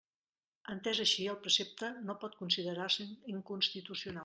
Entès així, el precepte no pot considerar-se inconstitucional.